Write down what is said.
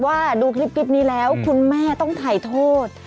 ว่าดูคลิปนี้แล้วคุณแม่ต้องถ่ายโทษ